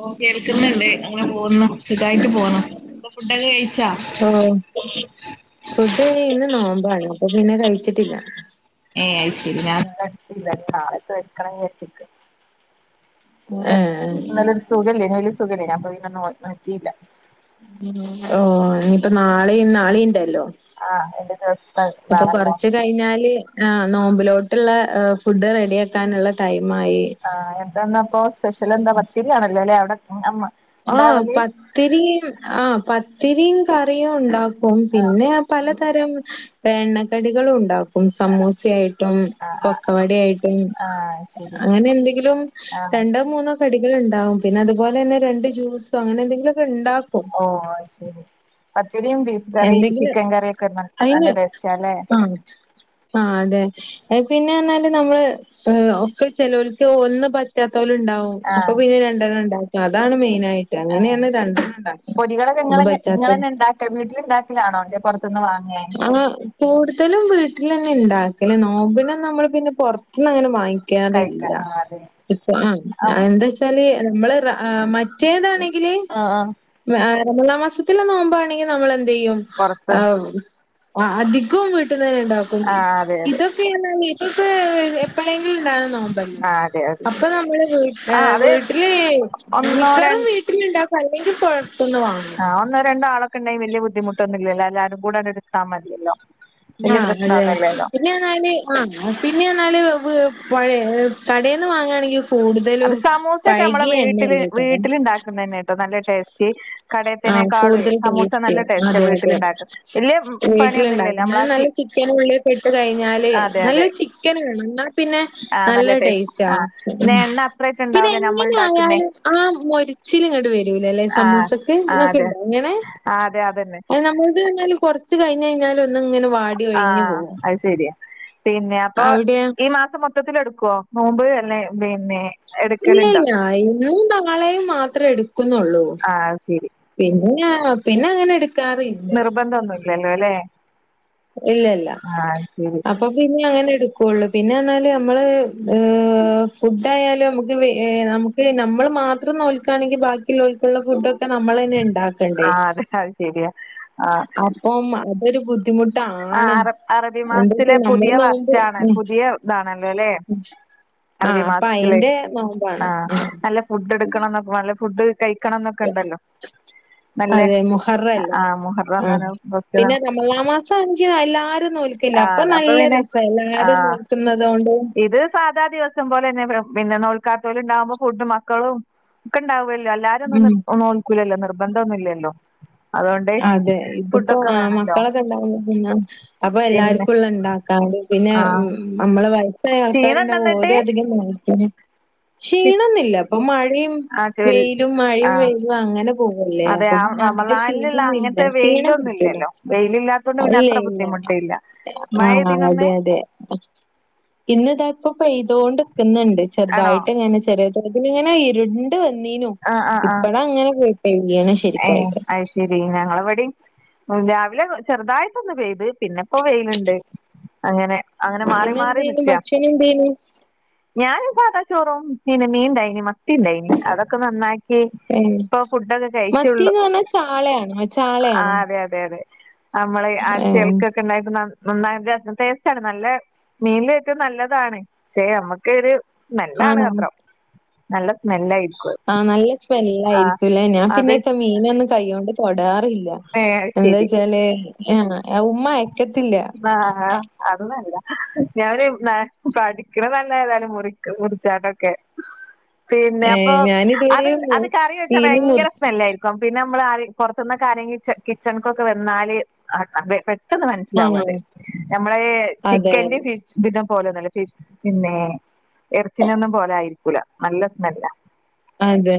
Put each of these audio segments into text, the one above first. ഓഹ് കേൾക്കുന്നുണ്ട് അങ്ങനെ പോകുന്നു സുഖായിട്ട് പോന്നു ഇപ്പ ഫുഡൊക്കെ കഴിച്ചോ ഓ ഫുഡ് ഇന്ന് നോമ്പാണ് അപ്പൊ പിന്നെ കഴിച്ചിട്ടില്ല. ഏയ് ശരി ഞാന് ഇന്ന് എടുത്തില്ല ഇനി നാളെ എടുക്കണം എന്ന് വിജാരിക്കാ ഏ ഇന്ന് നല്ലൊരു സുഖവില്ലാരുന്നു ഒരു സുഖമില്ലായിരുന്നു അപ്പൊ ഇന്ന് ഞാന് നോറ്റിയില്ല. ഓഹ് ഇനിയിപ്പോ നാളെ നാളെയിണ്ടല്ലോ ആഹ് എന്റെ ദിവസത്തെ അപ്പൊ ഇതാണല്ലോ പറിച്ച് കഴിഞ്ഞാല്- ആഹ് നോമ്പിലോട്ടുള്ള ഫുഡ് റെഡിയാക്കാനുള്ള ടൈമായി. ആഹ് എന്തായിന്നിപ്പോ സ്പെഷ്യല് എന്താ പത്തിരിയാണല്ലോ അവിടെ അ ആഹ് പത്തിരിയും ആഹ് പത്തിരിയും കറിയും ഉണ്ടാവും ും ആഹ് പിന്നെ പലതരം എണ്ണക്കടികളും ഉണ്ടാക്കും സമൂസേം- ആഹ് ആഹ് കൊക്കവട ആയിട്ടും ആഹ് ശരി അങ്ങനെ എന്തെങ്കിലും ആഹ് രണ്ടോ മൂന്നോ കടികൾ ഉണ്ടാവും പിന്നെ അതുപോലെ തന്നെ രണ്ട് ജ്യൂസോ അങ്ങനെ എന്തെങ്കിലുമൊക്കെ ഇണ്ടാക്കും. ഓ അത് ശരി പത്തിരിയും ബീഫ് കറി എന്തെങ്കിലും ചിക്കൻ കറിയൊക്കെ നല്ല ടേസ്റ്റാല്ലേ? ആഹ്തെ. പിന്നെ എന്നാല് നമ്മള് ഒക്കെ ചെലോർക്ക് ഒന്നും പറ്റാത്തവലും ഉണ്ടാവും അപ്പൊ ആഹ് പിന്നെ രണ്ടെണ്ണം ണ്ടാക്കും അതാണ് മെയിനായിട്ട് ആഹ് അങ്ങനെയന്ന രണ്ടെണ് ഉണ്ടാക്ക ഇന്ന് പച്ചാത്ത വീട്ടിലുണ്ടാക്കലാണോ അതോ പൊറത്തൂന്ന് വാ- അങ്ങനെ കൂടുതലും വീട്ടിൽ തന്നെ ഉണ്ടാക്കല്ലേ നോബിനും നമ്മള് പിന്നെ പുറത്തന്ന് അങ്ങനെ വാങ്ങിക്ക- കഴിക്ക കാറില്ല ആ അതെ ഇപ്പ ആ എന്ത് വച്ചാല് നമ്മള് റാ മറ്റ്- റ്റേതാണെങ്കിൽമൂന്നാ മാസത്തില നോമ്പാണ്. നമ്മൾ എന്ത ചെയ്യും പൊറത്ത് അധികവും വീട്ടുന്ന ഉണ്ട- ആ അതെ അതെ ക്കുംഇതൊക്കെല് ഇതൊക്കെ എപ്പോഴെങ്കിലും ഉണ്ടാ നോ- ആ തെ. അപ്പൊ നമ്മള് വീ വീട്ടില് ഒന്നോ ര മിക്കറും വീട്ടിലുണ്ടാക്കും അല്ലെങ്കിൽ പൊറത്തുന്ന് വാങ്ങും. ആ ഒന്ന് രണ്ടാള- ക്ക് ണ്ടെ വലിയ ബുദ്ധിമുട്ടൊന്നുല്ല എല്ലാരും കുടെടുത്താ മതില്ലോ ആഹ് അതെ പിന്നെ ആ പിന്നൊല് അ പിന്നെഞാൽ വയെ കടൽന്ന് വാങ്ങുകയാണെങ്കിൽ- അത് സമൂസൊക്കെ നമ്മള വീട്ടിൽ എണ്ണല്ലേക്കാരം വീട്ടല്ണ്ടാക്കുന്ന തന്നെ ട്ടോ നല്ല ടേസ്റ്റ് കടയിത്തിനെ ആഹ് കാളുയേ കൂടുതൽ സമൂസ ടേസ്റ്റ് നല്ല ടേസ്റ്റ അതെ അതെ. വീട്ടിലുണ്ടാക്കുക ഇല്ലേ പണിയൊന്നും ഇല്ലേ നമ്മളാശി- ചിക്കന ഉുള്ളിക്കെ ഇട്ട് കഴിഞ്ഞാല് നല്ല അതെ ചിക്കന് വേണം എന്നാൽ പിന്നെ നല്ല ടേസ്റ്റ് ആണ്. പിന്നെ എണ്ണ അത്രെ - പിന്നെ എങ്ങനെ ആയാലും ആ മൊരിച്ചിലങ്ങട് വരൂല ല്ലെ ആ സമൂസ- ആ ഇങ്ങക്ക് അതെ ണ്ടോ ഇങ്ങനെ ആ അതെ അതന്നെ ഞമ്മളത് കുറച്ചു കയിഞ്ഞ് കഴിഞ്ഞാൽ ങ്ങന വാടി ആ കഴിഞ്ഞ് പോകും. ശരിയാ പിന്നെ അപ്പൊ അവിടെയോ? ഈ മാസം മൊത്തത്തിൽ എടുക്കുവോ നോമ്പ് അല്ലെ പിന്നെ. ഇല്ല എടുക്കലുണ്ടോ ല്ല ഇന്നും നാളെയും മാത്രേ എടുക്കുന്നുള്ളൂ. ആ അത് ശരി പിന്നെ പിന്നെ അങ്ങനെ എടുക്കാറില്ല ഇല്ലല്ലോ ല്ലേ ഇല്ലല്ല ശരി അപ്പൊ പിന്നെ അങ്ങനെ എടുക്കുള്ളു പിന്നെന്നാല് നമ്മള് ഫുഡായാലും നമുക്ക് നമു- ക്ക് നമ്മൾ മാത്രം നോൽക്കുകയാണെങ്കിൽ ബാക്കിയുള്ളൊക്കുള്ള ഫുഡോ- കെ നമ്മൾ ന്നെ ആ ണ്ടാക്കണ്ടേ അതെ അത് ശരിയാ ആ അപ്പം അതൊരു ബുദ്ധിമുട്ട് ആ അറബ അറബി മാസത്തിലെ പുതിയ നമ്മള് നോമ്പ് വർഷാണ് ഉം പുതിയ താണല്ലോ ല്ലേ അറബി ആഹ് അപ്പൊ മാസത്തില് അയിന്റെ ആ നോമ്പാണ്. നല്ല ഫുഡ് എടുക്കണം എന്നൊക്ക നല്ല ഫുഡ് കഴി- ക്കണം എന്നൊക്കെ ണ്ടല്ലോ നല്ല അതെ മുഹറല്ലേ ആഹ് മുഹറം [unintelligible] മളാ മാസം അണങ്കി എല്ലാരും നോൽക്കില്ല ആ അപ്പൊ നല്ല പിന്നെ രസ ആ എല്ലാരും നോൽക്കുന്നുന്നത് കൊണ്ട്. ഇത് സാധാ ദിവസം പോല തന്നെ പിന്നെ നോൽക്കാതോല്ണ്ടാവക്പോ ഫുഡ് മക്കളും ഒക്ക ഇണ്ടാവല്ലോ എല്ലാരും ഉം ഒന്നും നോൽക്കൂലല്ലോ നിർബന്ധം ഒന്നുംല്ലല്ലോ അതെ ഇതിപ്പോ ആ മക്കളെ- ന്ന അപ്പൊ പിന്നെ എല്ലാർക്കുംള്ള ഉണ്ടാക്കാറ് പിന്നെ ആ നമ്മള് - ക്ഷീണം ഉണ്ടോ വയസ്സായആൾക്കാരണ്ടാകു എന്നിട്ട് ഓരോ അധികം നയിക്കും ക്ഷീണന്നില്ല അപ്പൊ മഴയും ആ ചെൽ വെയിലും ആ മഴയും വെയിലും അങ്ങനെ പോകല്ലേ അതെ അപ്പൊ ആ അധിക ക്ഷീ- ഉ റമളാനിലുള്ള ഇല്ല അങ്ങനത്തെ ക്ഷീണം വെയിലൊന്നും പിടിക്കുല്ല ഇല്ലല്ലോ വെയിലില്ലാത്തോണ്ട് പിന്നെ ഇല്ല അത്ര ഇല്ല ബുദ്ധിമുട്ടില്ല മഴ ആഹ് പെയ്തീനോ ഇന്ന് അതെ അതെ [inaudible] ഇന്ന് ദാ ഇപ്പൊ പെയ്തോണ്ട്ക്കുന്നുണ്ട് ആണോ ചെറുതായിട്ട് ങ്ങനെ ചെറിയ- അതിലിങ്ങനെ ഇരുണ്ട് വന്നീനു ഇപ്പഴാ അങ്ങനെ പോയി കഴുകിയാണ്. ഏ അയിശെ ശെരി ഞങ്ങളവിടേം രാവിലെ ചെറുതായിട്ടൊന്ന് പെയ്ത് പിന്നെപ്പോ വെയില്ണ്ട്. അങ്ങനെ അങ്ങനെ മാറി മാറി ഇന്നെന്തേനു നിക്ക ഭക്ഷണം എന്തേനു? ഞാൻ സാദാ ചോറും പിന്നെ മീന്ണ്ടായിനി മ- ത്തി ഇണ്ടായ്നി അതൊക്കെ നന്നാക്കി ഏഹ് ഇപ്പൊ ഫുഡൊക്കെ കഴി മത്തീന്ന് പറഞ്ഞാ ചാളയാണോ മ ചാളയാണോ ആഹ് അതെ അതെ അതെ നമ്മള് ആ ഏഹ് ചെൾക്കൊക്കെ ഉണ്ടായിക്ക്ന്ന ന [unintelligible] ടേസ്റ്റ്ആണ് നല്ല മീനിൽ ഏറ്റവും നല്ലതാണ് പക്ഷെ നമ്മുക്ക് ഒരു സ്മെല്ലാണ്ന്ന് ആണോ? മാത്രം നല്ല സ്മെല്ലായി ആഹ് നല്ല സ്മെല്ല് ആയിരിക്കൂലേ ഞാൻ അത് പിന്നെപ്പൊ മീനൊന്നും കൈ കൊണ്ട് തൊടാറില്ല ഏഹ് എന്താ ശരി വെച്ചാൽ ഏഹ് ആഹ് ഉമ്മ അയ ആഹ് ആഹ് അതൊന്നല്ല ഞാന് പഠിക്കണ നല്ല ഏതായാലും മുറിക്ക് മുറിച്ചാട്ടൊക്കെ പിന്നെ അപ്പൊ ഏഹ് അത് ഞാനിതുവരെയും അത് കറി വെച്ചാ മീന് ഭയങ്കര മുറി സ്മെല്ലായി പിന്നെ നമ്മള് ആരേ പുറത്തുന്നൊക്കെ ആരേങ്കിലും കിച്ചൺ കിച്ചണ്ക്കൊക്കെ വന്നാല് അത് പെട്ടെന്ന് മനസ്സി നസ്സിലാവും ആഹ് അത് നമ്മള് അതെ ചിക്കന്റെ ഫിഷ് ഇതിൻ്റേം പോലെ ഒന്നല്ല ഫിഷ് പിന്നെ എറച്ചീനൊന്നും പോലായിരിക്കൂല നല്ല സ്മെല്ലാ അതെ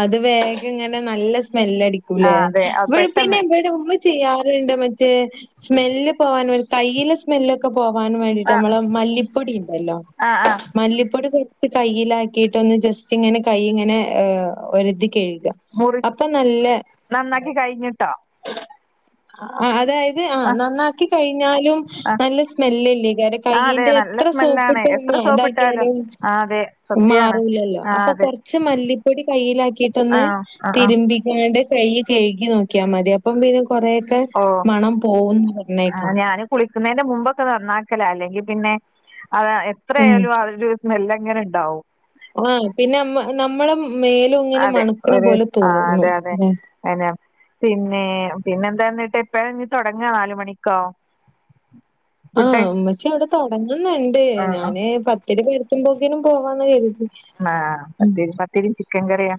അത് വേഗം ഇങ്ങനെ നല്ല സ്മെല്ലടിക്കൂലേ ആഹ് അതെ അത് ഇവിടെ പിന്നെ പെട്ടെന്ന് ഇവിടെ ഉമ്മി ചെയ്യാറുണ്ട് മറ്റേ സ്മെല്ല് പോവാൻ ഒരു കയ്യിലെ സ് മെല്ലൊക്കെ പോവാനും വേണ്ടിട്ട് ആഹ് നമ്മളെ മല്ലിപ്പൊടി ണ്ടല്ലോ ആഹ് ആഹ് മല്ലിപ്പൊടി കൊറച്ച് കൈയിലാക്കിയിട്ടൊന്ന് ജസ്റ്റിങ്ങനെ കൈ ഇങ്ങനെ ഏഹ് ഒരതി കഴു മുറി അപ്പൊ നല്ല നന്നാക്കി കഴിഞ്ഞിട്ടോ അതാ ആഹ് നന്നാക്കി കഴിഞ്ഞാലും ആഹ് നല്ല സ്മെല്ലല്ലേ കാര്യം ആ അതെ കയ്യിന്റെ നല്ല എത്ര സ്മെല്ലാണ് സോപ്പിട്ട് എത്ര ഇതാക് സോപ്പിട്ടാലും ക്കിയാലും ആ അതെ സത്യാണ് മാറൂല്ലല്ലോ ആ അപ്പൊ അതെ കൊറച്ച് മല്ലിപ്പൊടി ആ കയ്യിലാക്കിട്ടൊന്ന് ആ ആ തിരു മ്പിക്കാണ്ട് കൈ കഴുകി നോക്കിയാ മതി അപ്പം പിന്നെ കൊറെ ക്കെ ഓ മണം പോകും ന്ന് ആ പറഞ്ഞേക്കാം ഞാന് കുളിക്കുന്നതിന്റെ മുമ്പൊക്കെ നന്നാക്കലാ അല്ലെങ്കി പിന്നെ അത് ഉം. എത്രയായാലും അതിൻ്റെ ഒരു സ് മെല്ലങ്ങനെ ണ്ടാവും ആഹ് പിന്നെമ്മ നമ്മളെ മേലും ഇങ്ങനെ അതെ മണക്കണ പോലെ തോന്നും ല്ലെ അതന്നെ പിന്നെ പിന്നെന്താന്നിട്ട് എപ്പഴാ ഇനി തുടങ്ങാ നാല് മണിക്കോ ഉം ആഹ് ഉമ്മച്ചി അവിടെ തുടങ്ങുന്നുണ്ട് ആ ആ ഞാന് പത്തിരി പരത്തുമ്പൊക്കിനും പോവാന്ന് കരുതി ആഹ് ഉം. പത്തിരി പത്തിരിം ചിക്കൻ കറിയാ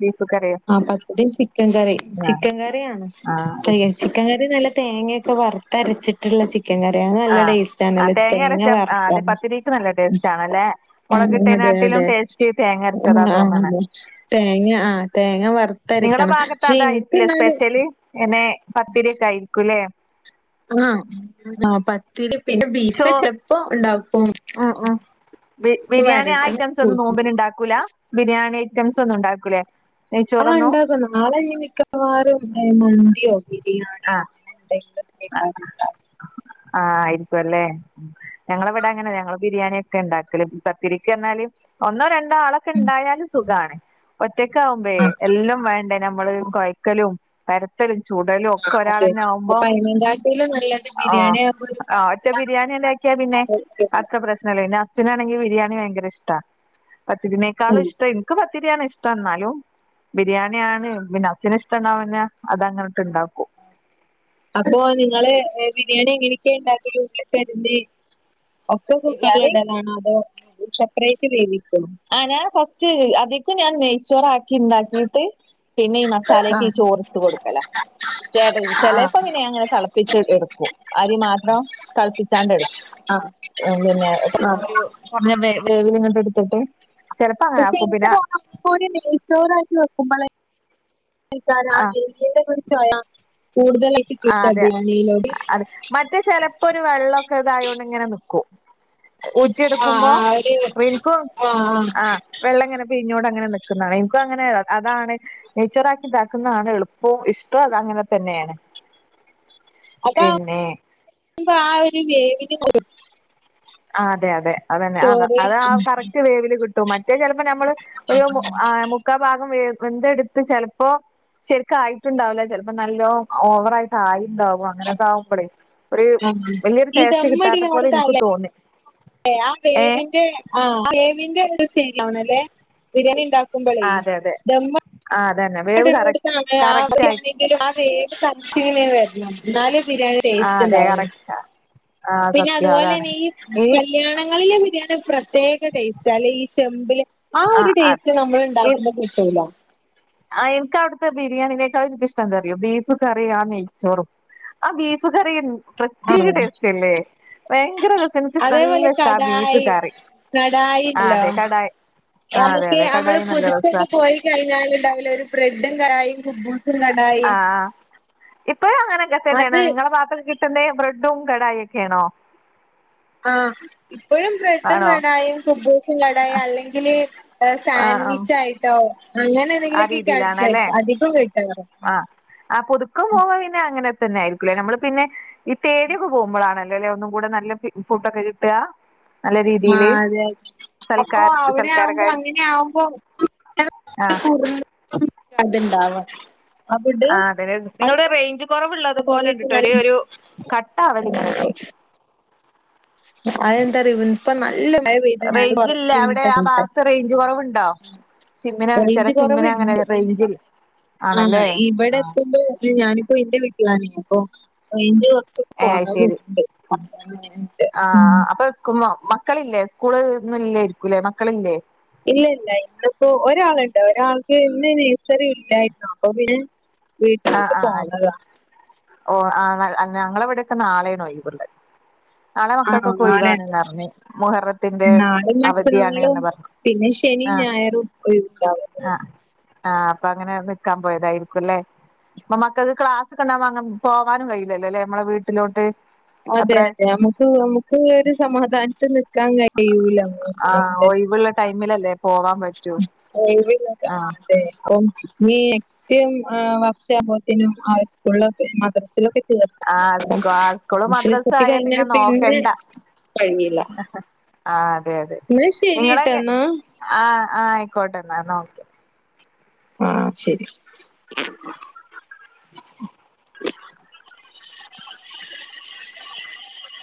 ബീഫ് കറിയോ ആഹ് പത്തിരീം ചിക്കൻകറീം ചിക്കൻ കറിയാണ് ആ അത് ശ തേങ്ങാരച്ച് ചിക്കൻകറി നല്ല തേങ്ങയൊക്കെ വറുത്തരച്ചിട്ടുള്ള ചിക് ക്കൻകറിയ അതിന് നല്ല ആഹ് ആഹ് ടേസ്റ്റാണല്ലേ തേങ്ങ അരച്ച ആ വറുത്ത അതെ പത്തിരിക്ക് നല്ല ടേസ്റ്റ് ആണല്ലേ മുളകിട്ടേനാട്ടിലും ടേസ്റ്റ് തേങ്ങ അരച്ചതാ തോന്നണെ [unintelligible] [unintelligible] തേങ്ങ ആഹ് തേങ്ങ വറുത്തരക്കണം പക്ഷെ ഇൻക്ക് എന്നാലും എന്നേ പത്തിരിയൊക്കെ ആയിരിക്കുംല്ലേ ആഹ് ആഹ് പത്തിരി പിന്നെ ചോ ബീഫ് ചെൽപ്പോ ഉണ്ടാക്കും ഉം ഉം ബിരിയാണി ആ വരട്ടണം ഐറ്റംസൊന്നും നോമ്പിനുണ്ടാക്കൂല ബിരിയാണി ഐറ്റംസ് ഒന്നും ഉണ്ടാക്കൂലേ ആഹ് നെയ്ച്ചോറൊന്നും ഉണ്ടാക്കും നാളെ ഇനി മിക്കവാറും മന്തിയോ ആ ബിരിയാണിയോ [inaudible] ആഹ് ആയിരിക്കുവല്ലേ ഞങ്ങളെ ഇവിടെ അങ്ങനെയാ ഞങ്ങള് ബിരിയാണി ഒക്കെ ഉണ്ടാക്കല് പത്തിരിക്ക് പറഞ്ഞാല് ഒന്നോ രണ് ആളൊക്കെ ഉം ണ്ടായാലും സുഖാണ് ഒറ്റക്ക് ആവുമ്പയേ ആഹ് എല്ലാം വേണ്ടേ നമ്മള് കൊയ്ക്കലും പരത്തലും ചുടലും ഒക്കെ ഒരാളെന്നാവുമ്പൊ. ട്ടീലൊന്നുല്ല. ഓ ആഹ് ആ ഒറ്റ ബിര്യാണ്യാണ്ടാക്ക്യ പിന്നെ ഉണ്ടാക്കുന്നത്. അത്ര പ്രശ്നല്ല ന്റസ്‌ സ്നാണെങ്കി ബിര്യാണി ഭയങ്കര ഇഷ്ട ഉം പത്തിരിനേക്കളും ഇഷ്ട്ടം ഇൻക്ക് പത്തിര്യാണ് ഇഷ്ട്ടം ന്നാലും. ബിര്യാണ്യാണ് പിന്നെ ഹസ്സിന് ഇഷ്ട്ടണ്ടാവുമ്പ പിന്നെ അതങ്ങനട്ട് ണ്ടാക്കും. അപ്പൊ നിങ്ങള് ബിര്യേണി എങ്ങനെക്കെ ണ്ടാക്കല് ഉള്ളിക്കെ [unintelligible] ഒക്കെ ബിരിയാണി കുക്കർല്ടലാണോ അതോ സെപ്പറേറ്റ് വേവിക്കോ. ആഹ് ഞാ ഫസ്റ്റ് അതികും ഞാ നെയ്ച്ചോറാ ക്കിണ്ടാക്കിട്ട് പിന്നെ ഈ മസാലേക്ക് ആഹ് ഈ ചോറ്ട്ട് കൊടുക്കല. ചേട് ചെലേപ്പങ്ങനെ ഞാങ്ങനെ തളപ്പിച്ച്ട് എടുക്കും അരിമാത്രം. തൾപ്പിച്ചാണ്ടെടു ആഹ് അഹ് പിന്നെ ആഹ് [unintelligible] കൊർഞ്ഞ വേ വേവിലിങ്ങട്ട്ട്ത്ത്ട്ട്. പക്ഷെ ഇൻക്ക് തോന്ന ഒക്കകൂടി നെയ്ച്ചോറാക്കി വെക്കുമ്പളെ. ആ [unintelligible] ചൊയ കൂടുതലായ്റ്റ് കിട്ട ബി [unintelligible] ലോ. മറ്റ ചെലപ്പൊരു വെള്ളൊക്കെ തായോണ്ട്ങ്ങനെ ന്ന്ക്കും. ആഹ് ഊറ്റിയെടുക്കുമ്പോ ആഹ് ഒരു വിൻകൊ ആഹ്. വെള്ളങ്ങനെ പിഴിഞ്ഞോണ്ടങ്ങനെ ന്ന്ക്ക്ന്നാണ ഇൻക്കു അങ്ങനെ അതാണ്. നെയ്ചോറാക്കി ണ്ടാക്കുന്നതാണ് എളുപ്പു ഇഷ്ടു അത് അങ്ങനെ തന്നെണ്. അടാ [unintelligible] പാ ഒര് [unintelligible] ആഹ് അതെ അതെ. അതെന്നെ ആത നെയ്ച്ചോറ് അത് ആ കറക്റ്റ് വേവില് കിട്ടും മറ്റേ ചെലപ്പ ഞ്ഞമ്മള് ഒരു മു ആ മു ക്കാ ഭാഗം വേ വെന്തെടുത്ത് ചെലപ്പോ. ശര്ക്കായിട്ടുണ്ടാവുല ചെൽപ്പം നല്ലോ ഓവറായിട്ടായിണ്ടാവ്വ. അങ്ങനൊക്കാവുമ്പോളേ ഒര് ആഹ് വല്ല്യരു ഈ ടേസ്റ്റ് കിട്ടാത്ത പോലെ ഇൻക്കു തോന്നി. ഏ ആ ഏ ബേബിൻ്റെ ആഹ് ബേബിൻ്റെട്ത്ത് ചെയ്യാവണലേ ബിര്യാണിണ്ടാ കുമ്പളേ ദമ്മ്. ആഹ് അതന്നെ. ങ്ങട് വേവ് കറ [unintelligible] താണ് ആ [unintelligible] കറക്റ്റ് ആയി ക്ക്യാണെങ്കിലു ആ വേവ് കക്ടിന്ങ്ങനെ വര്ണം ന്നാല് ബിര്യാണി. ആഹ് അതെ കറക്റ്റാ. ആ പിന്നെ സത്യം അതാണ് അതുപോലെന്നെ ഈ കല്യാണങ്ങളിലെ ബിര്യാണി ഒരു പ്രത്യേ ക ടേസ്റ്റലേ ഈ ചെമ്പ് ല് ആ ഒരു ടേസ്റ്റ് ഈ നമ്മള്ണ്ടാക്കുമ്പ കിട്ടൂല. ആഹ് ഇൻക്കവിട്ത്തെ ബിരിയാണിനേക്കാളും ഇൻക്കിഷ്ട എന്താറിയോ ബീഫ് കറി ആ നെയ്ച്ചോറും. ആ ബീഫ് കറി പ്രത്യേക ആഹ് ടേസ്റ്റല്ലേ. ഭയങ്കര രസാ ഇൻക്ക്ശ് അതേപോലെ നല്ലഷ്ട ആ ബീഫ് കടായി കറി ആഹ് കടായിണ്ടല്ലോ അതെ കടായി. ആഹ് അതെ അതെ കടായി നല്ല രസാ. കയ്ഞ്ഞാല്ണ്ടാവുലെ ഒരു ബ്രെഡും കടായിം. ആഹ് ആഹ് ഇപ്പഴു അങ്ങനൊക്കെ തന്നെണ് അത് നിങ്ങളെ ബാത്തൊക്കെ കി ട്ടുന്നെ ബ്രെഡും കടായി ഒക്കെണോ? ആഹ് ഇപ്പഴും ബ്രെഡും ആണോ ആണോ? കടായിയും കുബ്ബൂസും കടായിയും അല്ലെങ്കില്. ആ ആ സാൻവിച്ചായിട്ടോ അങ്ങനെ ആ എന്തെങ്കിലൊക്കെയ്ക്ക രീതിയിലാണല്ലേ [unintelligible] അധികു കിട്ടറ്. ആഹ് പുതുക്കം പോക്മ്പ പിന്നെ അങ്ങനെ തന്നെ ആയിരിക്കൂലേ നമ്മള് പിന്നെ. ഈ തേട്യൊക്കെ പോകുമ്പളാണല്ലോ ലെ ഒന്നും കൂടെ നല്ല ഫി ഫുഡൊക്കെ കിട്ട. മാ അതെ അ അപ്പൊ സൽക്കാ അവരാവുമ്പ സൽക്കാരൊക്കെ അങ്ങന്യാവുമ്പ ആ [unintelligible] അത്ണ്ടാവ. ആഹ് അതെ [unintelligible] നിങ്ങൾടെ റെയ്ഞ്ച് കൊറവ്ള്ളത്പോലെണ്ട് കറിയൊക്കെ ട്ടൊരു നല്ല ഒരു കട്ടാവല് ങ്ങനെണ്ട്. അതെന്താറിയോ ഇപ്പൊ നല്ല മഴ പെയ്ത് ഞാൻ റെയ്ഞ്ച്ല്ലേ അവിടെ പുറത്തിറങ്ങിയിട്ടാ ആ സംസാരി ഭാഗത്ത് റെയ്ഞ്ച് കൊറവ്ണ്ടോ. സിമ്മിന ചെല റേഞ്ച് സിമ്മിനങ്ങനെ കുറവുണ്ട് റെയ്ഞ്ചിൽ ആഹ് ഇവടെ പ്പ [unintelligible] ഞാനിപ്പോ എന്റെ വീ ട്ട്ലാണ് അപ്പൊ റേഞ്ച് കൊർച്ച് ഏ ശരി കൊറവ്ണ്ട്. [unintelligible] ആ അപ്പൊ സ് മക്കളില്ലേ സ്കൂള് ഒന്നുംല്ലായിരിക്കൂല്ലേ മക്കളില്ലേ? ഇല്ല ഇല്ല ഇവിടെപ്പോ ഒരാളുണ്ട് ഒരാൾക്ക് ഇന്ന് നേഴ്സറി ഇല്ലായിരുന്നു അപ്പൊ പിന്നെ. ആഹ് വീട്ടിലോട്ട് ആഹ് ആയി പോന്നതാ ഓ ആ ഞങ്ങളവിടെക്കെ നാളെയാണ് ഒഴിവ്ള്ളത്. നാളെ ആണോ മക്കൾക്കൊക്കെ നാളെയാണോ ഒയിവാണ്ന്ന് പറഞ് മുഹറത്തിന്റെ നാളെയും അവധിയാണ് മറ്റന്നാളും എന്ന്പറഞ്ഞു. പിന്നെ ശനിയും ഞായറും ഒഴിവ് ണ്ടാവും. അഹ് ആഹ് അപ്പൊ അങ്ങനെ നിക്കാൻ പോയതായിരിക്കുംല്ലേ? പ്പ മക്കക്ക് ക്ലാസൊകണ്ടാവുമ്പോ അങ്ങനെ പോവാനും കയ്ലല്ലേ മ്മള വീട്ടിലോട്ട് അതെ അത്ര അതെ ഞമക്ക് ഞമക്ക് ഒരു സമാധാനത്തി നിക്കാൻ കഴിയൂല ആ ഒന്നാമതെ ഒഴിവുള്ള ടൈമിലല്ലേ പോവാൻ പറ്റൂ ഒയ് വില്ലല്ല ആ [unintelligible] നീക്‌സ്റ്റും ആഹ് വർഷാവ്മ്പോത്തിനും ആഹ് സ്കൂളില മദർസിലും ആ ആ സ്കൂള് മദർസിൽ മദ്രസ ചേർത്തി ആയാ കഴിഞ്ഞാ പിന്നെ നോക്കണ്ട കഴിയില്ല ആ ന്നാ ശെരിട്ടന്നാ ആഹ് ആഹ് ആയ്ക്കോട്ടെന്നാ ഓക്കെ ആഹ് ശെരി [unintelligible]